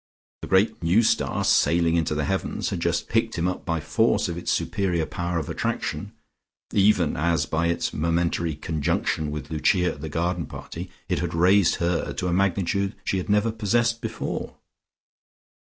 The great new star sailing into the heavens had just picked him up by force of its superior power of attraction, even as by its momentary conjunction with Lucia at the garden party it had raised her to a magnitude she had never possessed before.